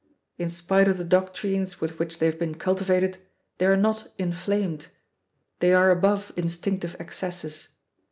In spite of the doctrines with which they have been cultivated they are not inflamed. They are above instinctive excesses.